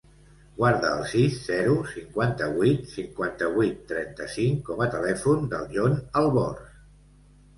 Guarda el sis, zero, cinquanta-vuit, cinquanta-vuit, trenta-cinc com a telèfon del Jon Albors.